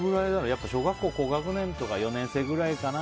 やっぱり小学校高学年とか４年生くらいかな。